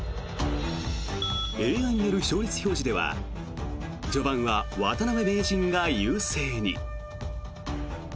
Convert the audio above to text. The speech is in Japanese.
ＡＩによる勝率表示では序盤は渡辺名人が優勢に。